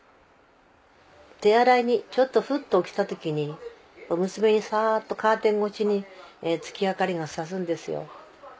手洗いにちょっとフッと起きた時に娘にサっとカーテン越しに月明かりが差すんですよ。